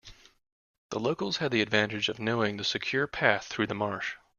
The locals had the advantage of knowing the secure path through the marsh.